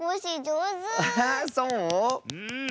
うん。